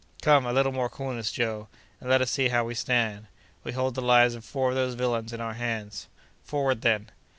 "Come! a little more coolness, Joe, and let us see how we stand. We hold the lives of four of those villains in our hands. Forward, then!"